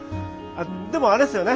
でもあれっすよね